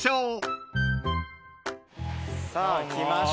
さあ来ました。